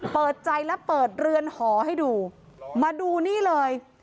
เปิดใจและเปิดเรือนหอให้ดูมาดูนี่เลย